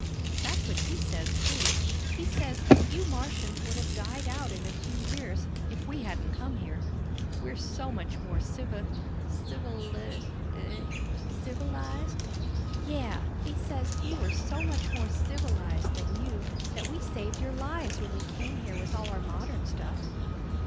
"That's what he says too. He says, you Martians would have died out in a few years, if we hadn't come here. We're so much more civi ... civili ..." "Civilized?" "Yeah. He says, we were so much more 'civ ilized' than you that we saved your lives when we came here with all our modern stuff."